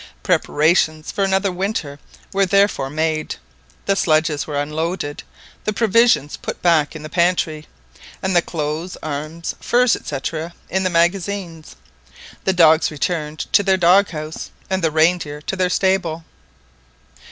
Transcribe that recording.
Preparations for another winter were therefore made. The sledges were unloaded, the provisions put back in the pantry, and the clothes, arms, furs, &c., in the magazines. The dogs returned to their dog house, and the reindeer to their stable.